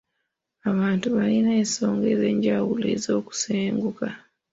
Abantu balina ensonga ez'enjawulo ez'okusenguka.